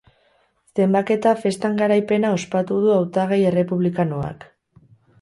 Zenbaketa festan garaipena ospatu du hautagai errepublikanoak.